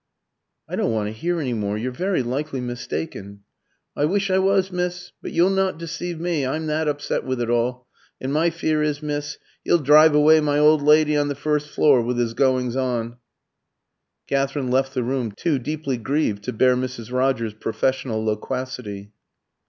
"I don't want to hear any more. You're very likely mistaken." "I wish I was, miss. But you'll not deceive me, I'm that upset with it all. And my fear is, miss, 'e'll drive away my old lydy on the first floor, with 'is goings on." Katherine left the room, too deeply grieved to bear Mrs. Rogers's professional loquacity.